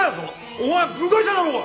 お前は部外者だろうが！